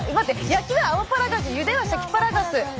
焼きはアマパラガジュゆではシャキパラガス